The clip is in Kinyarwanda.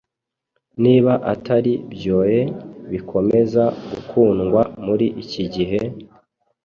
niba atari byoe, bikomeza gukundwa muri iki gihe,